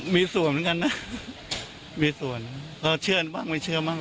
มีส่วนเหมือนกันนะมีส่วนเราเชื่อบ้างไม่เชื่อบ้าง